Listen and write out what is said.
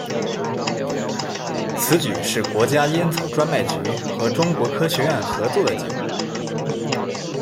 此举是国家烟草专卖局和中国科学院合作的结果。